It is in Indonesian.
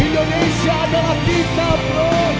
indonesia adalah kita bro